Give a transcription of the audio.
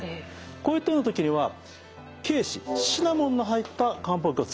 こういったような時には桂枝シナモンの入った漢方薬を使うんですね。